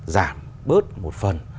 giảm bớt một phần